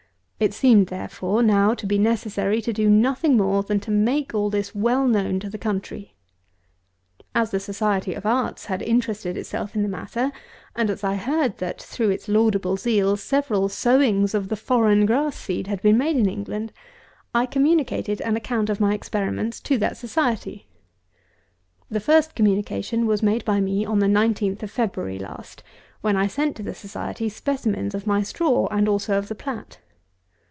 It seemed, therefore, now to be necessary to do nothing more than to make all this well known to the country. As the SOCIETY OF ARTS had interested itself in the matter, and as I heard that, through its laudable zeal, several sowings of the foreign grass seed had been made in England, I communicated an account of my experiments to that Society. The first communication was made by me on the 19th of February last, when I sent to the Society, specimens of my straw and also of the plat.